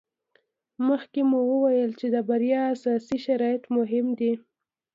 مخکې مو وویل چې د بریا اساسي شرط مهم دی.